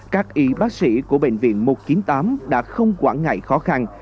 các y bác sĩ của bệnh viện một trăm chín mươi tám đã không quản ngại khó khăn